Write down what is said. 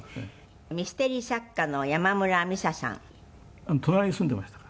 「ミステリー作家の山村美紗さん」「隣に住んでいましたから」